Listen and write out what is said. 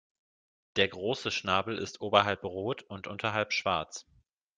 Der große Schnabel ist oberhalb rot und unterhalb schwarz.